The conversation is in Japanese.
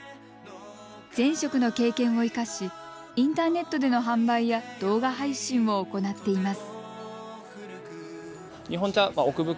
前職の経験を生かしインターネットでの販売や動画配信を行っています。